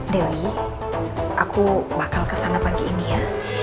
dewi aku bakal kesana pagi ini ya